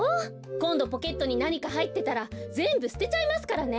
こんどポケットになにかはいってたらぜんぶすてちゃいますからね！